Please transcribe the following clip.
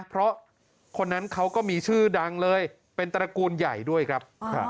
เพราะคนนั้นเขาก็มีชื่อดังเลยเป็นตระกูลใหญ่ด้วยครับ